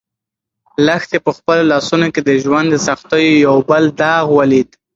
لښتې په خپلو لاسو کې د ژوند د سختیو یو بل داغ ولید.